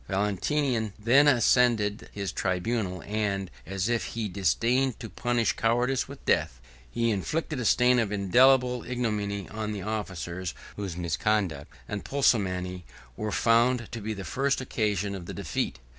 Valentinian then ascended his tribunal; and, as if he disdained to punish cowardice with death, he inflicted a stain of indelible ignominy on the officers, whose misconduct and pusillanimity were found to be the first occasion of the defeat.